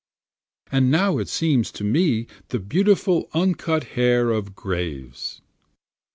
And now it seems to me the beautiful uncut hair of graves.